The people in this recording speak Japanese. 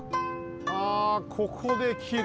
あここできる。